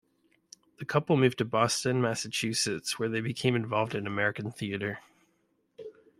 The couple moved to Boston, Massachusetts, where they became involved in American theatre.